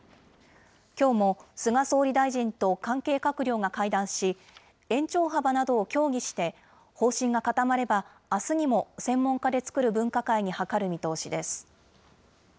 きょうも菅総理大臣と関係閣僚が会談し、延長幅などを協議して、方針が固まれば、あすにも専門家で作る分科会に諮る見通しです。